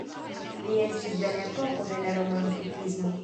Li estis de la epoko de la Romantikismo.